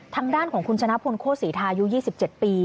ทางด้านของคุณชนะพุนโค้ดศรีทายุ๒๗ปี